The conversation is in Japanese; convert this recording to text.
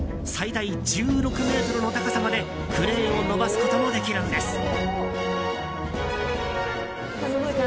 最大１６ｍの高さまでクレーンを伸ばすこともできるんです。